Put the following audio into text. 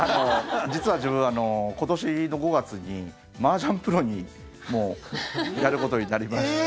実は自分、今年の５月にマージャンプロもやることになりまして。